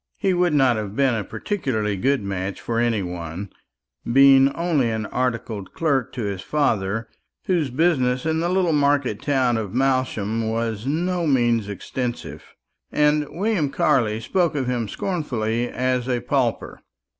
He would not have been a particularly good match for any one, being only an articled clerk to his father, whose business in the little market town of Malsham was by no means extensive; and William Carley spoke of him scornfully as a pauper.